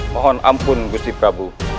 mohon ampun gusti prabu